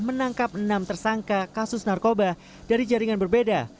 menangkap enam tersangka kasus narkoba dari jaringan berbeda